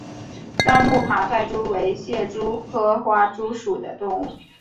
樟木爬赛蛛为蟹蛛科花蛛属的动物。